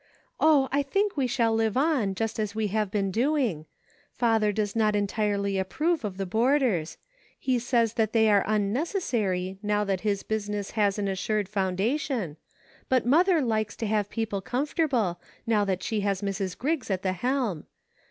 Oh ! I think we shall live on, just as we have been doing ; father does not entirely approve of the boarders. He says they are unnecessary now that his business has an assured foundation, but mother likes to make people comfortable, now that she has Mrs. Griggs at the helm.